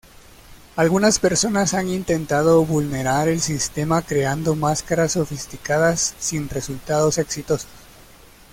Algunas personas han intentado vulnerar el sistema creando máscaras sofisticadas sin resultados exitosos.